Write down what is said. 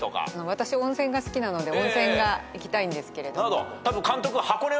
私温泉が好きなので温泉が行きたいんですけれども。